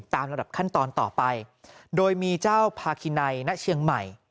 ระดับขั้นตอนต่อไปโดยมีเจ้าพาคินัยณเชียงใหม่